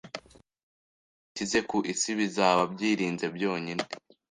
ibihugu bikize ku isi bizaba byirinze byonyine